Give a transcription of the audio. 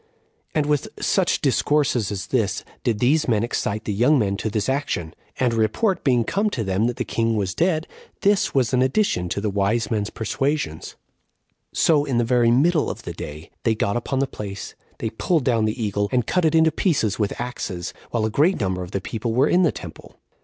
3. And with such discourses as this did these men excite the young men to this action; and a report being come to them that the king was dead, this was an addition to the wise men's persuasions; so, in the very middle of the day, they got upon the place, they pulled down the eagle, and cut it into pieces with axes, while a great number of the people were in the temple.